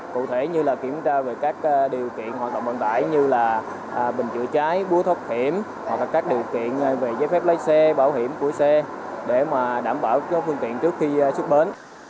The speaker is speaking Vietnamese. cụ thể như kiểm tra các điều kiện hoàn toàn bằng tải như bình chữa cháy búa thốt khiểm hoặc các điều kiện về giấy phép lái xe bảo hiểm của xe để đảm bảo phương tiện trước khi xuất bến